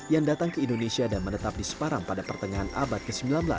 yang datang ke indonesia dan menetap di semarang pada pertengahan abad ke sembilan belas